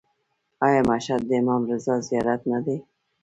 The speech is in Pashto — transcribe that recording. آیا مشهد د امام رضا زیارت نه دی؟